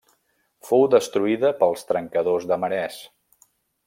Fou destruïda pels trencadors de marès.